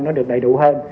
nó được đầy đủ hơn